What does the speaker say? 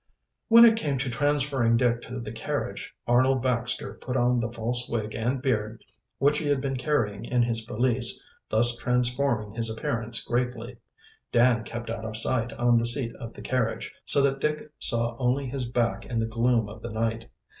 When it came to transferring Dick to the carriage, Arnold Baxter put on the false wig and beard which he had been carrying in his valise, thus transforming his appearance greatly. Dan kept out of sight on the seat of the carriage, so that Dick saw only his back in the gloom of the night.